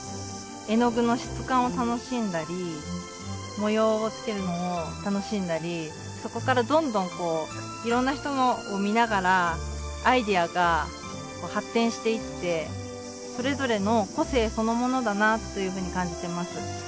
絵の具の質感を楽しんだり模様をつけるのを楽しんだりそこからどんどんいろんな人のを見ながらアイデアが発展していってそれぞれの個性そのものだなというふうに感じてます。